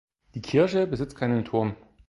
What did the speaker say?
Die Kirche besitzt keinen Turm.